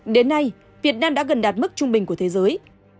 đến nay việt nam đã gần đạt mức trung bình của thế giới